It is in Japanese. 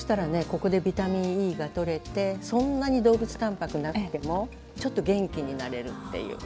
ここでビタミンＥがとれてそんなに動物たんぱくなくってもちょっと元気になれるっていう。